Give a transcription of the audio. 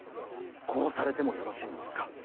殺されてもよろしいのですか。